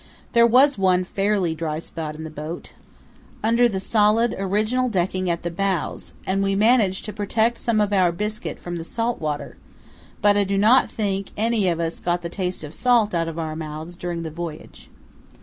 There was one fairly dry spot in the boat, under the solid original decking at the bows, and we managed to protect some of our biscuit from the salt water; but I do not think any of us got the taste of salt out of our mouths during the voyage.